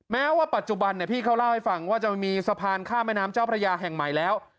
แม้ว่าปัจจุบันพี่เขาเล่าให้ฟังว่าจะมีสะพานข้ามแม่น้ำเจ้าพระยาแห่งใหม่แล้ว